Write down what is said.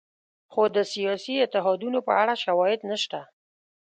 خو د سیاسي اتحادونو په اړه شواهد نشته.